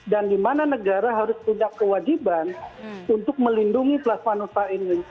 dan dimana negara harus tindak kewajiban untuk melindungi plasma nutpa ini